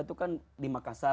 itu kan di makassar